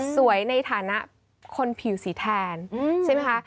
ในฐานะคนผิวสีแทนใช่ไหมคะ